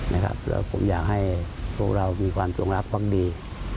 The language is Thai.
นะครับผมอยากให้พวกเรามีความจงรักพรรคดี